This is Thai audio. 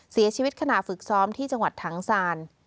เสียชีวิตขณะฝึกซ้อมที่จังหวัดถังซาน